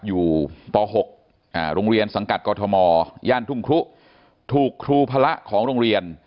อยู่ป๖โรงเรียนสังกัดกรทมย่านทุ่งครุถูกครูพระของโรงเรียน